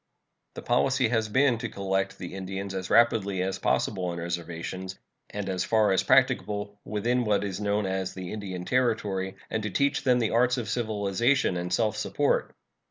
The policy has been to collect the Indians as rapidly as possible on reservations, and as far as practicable within what is known as the Indian Territory, and to teach them the arts of civilization and self support.